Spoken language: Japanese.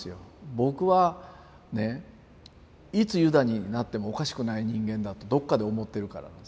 僕はいつユダになってもおかしくない人間だとどっかで思ってるからなんですね。